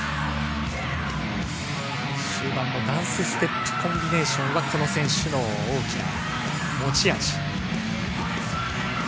終盤のダンスステップコンビネーションはこの選手の大きな持ち味。